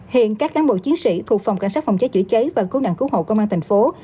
hiện các cán bộ chiến sĩ thuộc phòng cảnh sát phòng cháy chữa cháy và cứu nạn cứu hộ công an thành phố